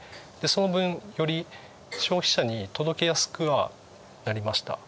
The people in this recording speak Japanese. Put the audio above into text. その分より消費者に届けやすくはなりました。